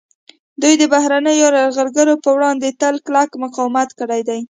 دوی د بهرنیو یرغلګرو پر وړاندې تل کلک مقاومت کړی دی